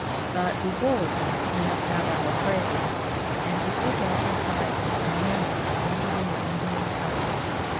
"But before we go, we must have our prayer," and he took out his Bible and hymn book printed in the Indian tongue.